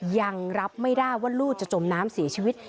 ยังรับไม่ได้ว่าลูกจะจมน้ำเสียชีวิต